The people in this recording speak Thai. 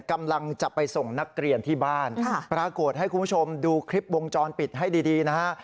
กำลังจะไปส่งนักเรียนที่บ้านปรากฏให้คุณผู้ชมดูคลิปวงจรปิดให้ดีนะฮะ